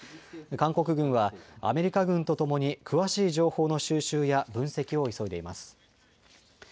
韓国軍はアメリカ軍とともに詳しい情報の収集や分析を急いでいます。